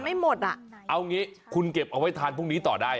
ไม่หมดอ่ะเอางี้คุณเก็บเอาไว้ทานพรุ่งนี้ต่อได้